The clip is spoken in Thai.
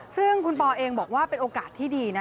ซึ่งคุณปอเองบอกว่าเป็นโอกาสที่ดีนะ